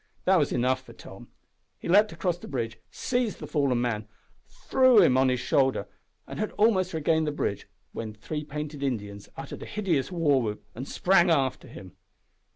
That was enough for Tom. He leaped across the bridge, seized the fallen man, threw him on his shoulder, and had almost regained the bridge, when three painted Indians uttered a hideous war whoop and sprang after him.